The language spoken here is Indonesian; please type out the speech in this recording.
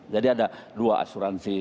jadi ada dua asuransi